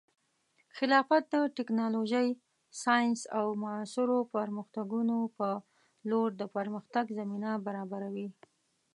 خلافت د ټیکنالوژۍ، ساینس، او معاصرو پرمختګونو په لور د پرمختګ زمینه برابروي.